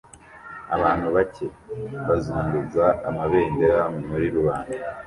Abantu bake bazunguza amabendera muri rubanda